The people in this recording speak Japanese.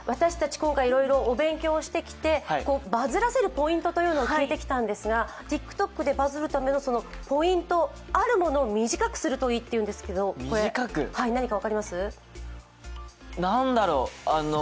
今回、いろいろお勉強をしてきてバズらせるポイントを聞いてきたんですがＴｉｋＴｏｋでバズるためのポイント、あるものを短くするといいというんですけどなんだろう